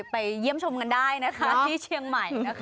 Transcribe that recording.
ไปเยี่ยมชมกันได้นะคะที่เชียงใหม่นะคะ